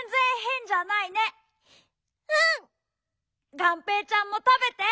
がんぺーちゃんもたべて。